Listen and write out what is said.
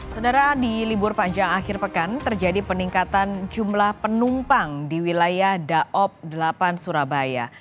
saudara di libur panjang akhir pekan terjadi peningkatan jumlah penumpang di wilayah daob delapan surabaya